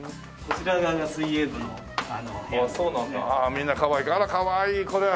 みんなかわいいあらかわいいこれは。